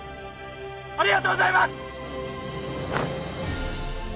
ありがとうございます！